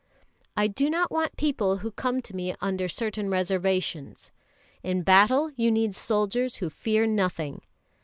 "I do not want people who come to me under certain reservations. In battle you need soldiers who fear nothing."